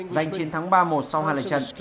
giành chiến thắng ba một sau hai lời trận